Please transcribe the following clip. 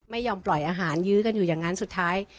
ไม่ยอมปล่อยอาหารยื้อกันอยู่อย่างนั้นสุดท้าย